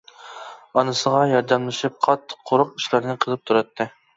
ئانىسىغا ياردەملىشىپ قاتتىق-قۇرۇق ئىشلارنى قىلىپ تۇراتتى.